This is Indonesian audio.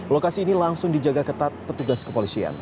lokasi ini langsung dijaga ketat petugas kepolisian